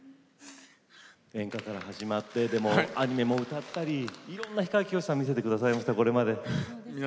演歌から始まってアニメも歌ったりいろんな氷川さんを見せていただきましたこれまで。